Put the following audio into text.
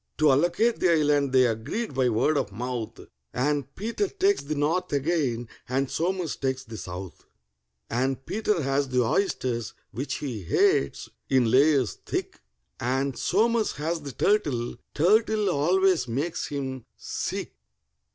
To allocate the island they agreed by word of mouth, And PETER takes the north again, and SOMERS takes the south; And PETER has the oysters, which he hates, in layers thick, And SOMERS has the turtle—turtle always makes him sick.